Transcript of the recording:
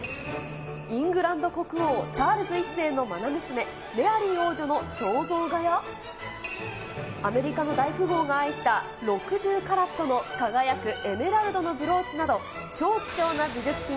イングランド国王、チャールズ１世のまな娘、メアリー王女の肖像画や、アメリカの大富豪が愛した、６０カラットの輝くエメラルドのブローチなど、超貴重な美術品